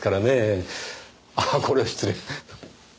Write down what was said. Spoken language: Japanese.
ああこれは失礼。